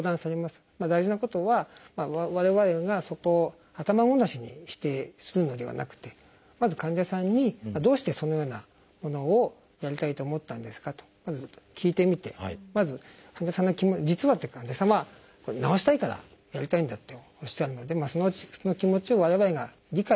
大事なことは我々がそこを頭ごなしに否定するのではなくてまず患者さんにどうしてそのようなものをやりたいと思ったんですかとまず聞いてみてまず患者さんの「実は」って患者さんは「治したいからやりたいんだ」っておっしゃるのでその気持ちを我々が理解してですね